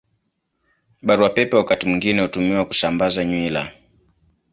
Barua Pepe wakati mwingine hutumiwa kusambaza nywila.